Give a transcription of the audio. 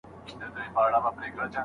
شرقي او غربي ټولنې بېل کلتورونه لري.